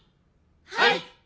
はい！